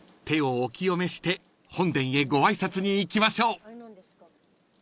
［手をお清めして本殿へご挨拶に行きましょう］